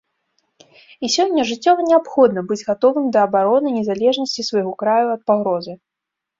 І сёння жыццёва неабходна быць гатовым да абароны незалежнасці свайго краю ад пагрозы.